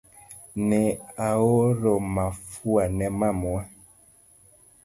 Ne aoro mafua ne mamau